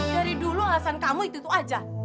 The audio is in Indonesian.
dari dulu alasan kamu itu itu aja